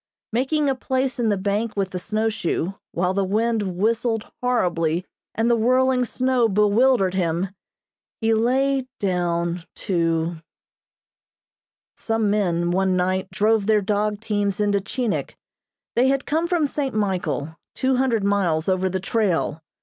Making a place in the bank with the snowshoe, while the wind whistled horribly and the whirling snow bewildered him, he lay down to Some men, one night, drove their dog teams into Chinik. They had come from St. Michael, two hundred miles over the trail.